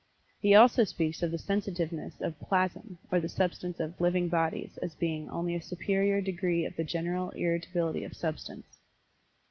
He also speaks of the sensitiveness of "plasm," or the substance of "living bodies," as being "only a superior degree of the general irritability of substance."